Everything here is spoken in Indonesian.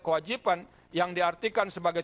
kewajiban yang diartikan sebagai